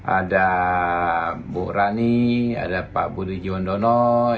ada bu rani ada pak budi jundono